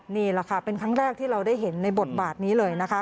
นี่แหละค่ะเป็นครั้งแรกที่เราได้เห็นในบทบาทนี้เลยนะคะ